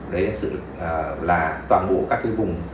đấy là toàn bộ các cái vùng